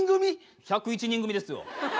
１０１人組ですよ。